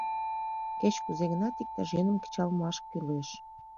Кеч-кузе гынат иктаж йӧным кычал муаш кӱлеш.